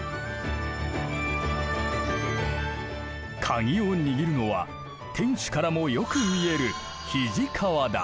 カギを握るのは天守からもよく見える肱川だ。